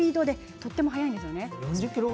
とても速いんですよね。